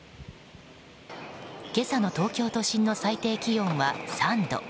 今朝の東京都心の最低気温は３度。